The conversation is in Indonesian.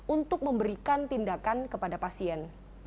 untuk memberikan tindakan kepada pasien